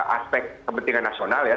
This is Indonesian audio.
aspek kepentingan nasional ya